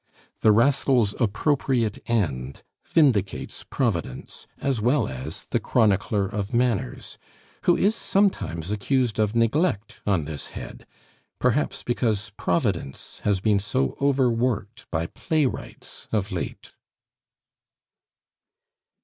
The rascal's appropriate end vindicates Providence, as well as the chronicler of manners, who is sometimes accused of neglect on this head, perhaps because Providence has been so overworked by playwrights of late.